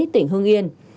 tỉnh hưng yên